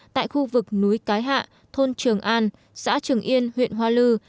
tại khu vực núi cái hạ thôn trường an xã trường yên huyện hoa lư